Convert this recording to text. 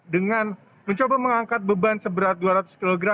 dengan mencoba mengangkat beban seberat dua ratus kg